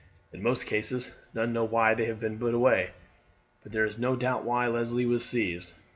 In most cases none know why they have been put away; but there is no doubt why Leslie was seized.